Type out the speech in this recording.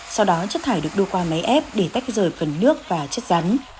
sau đó chất thải được đua qua máy ép để tách rời phần nước và chất rắn